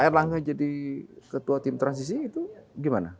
erlangga jadi ketua tim transisi itu gimana